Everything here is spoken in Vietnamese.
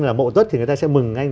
là mậu tuất thì người ta sẽ mừng anh